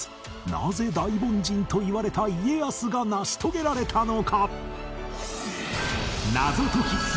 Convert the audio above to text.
なぜ大凡人といわれた家康が成し遂げられたのか？